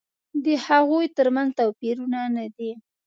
د هغوی تر منځ توپیرونه نه دي.